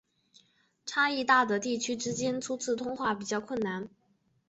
差异大的地区之间初次通话比较困难。